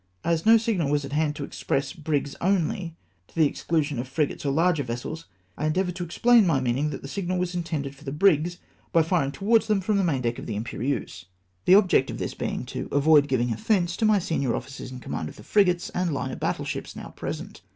As no signal was at hand to express brigs only, to the exclusion of frigates or larger vessels, I endeavoured to explain my meaning that the signal was intended for the brigs, by firing towards them from the main deck of the Tmperieuse, the object of this being to SINGULAR IiN'ClDKXr. 3D1 avoid giving offence to my senior oflicers in command of the frigates and line of battle ships now present.